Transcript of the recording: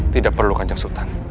tidak perlu kanjang sultan